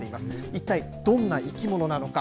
一体どんな生き物なのか。